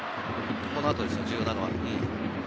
この後ですよ、重要なのは。